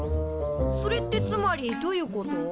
それってつまりどういうこと？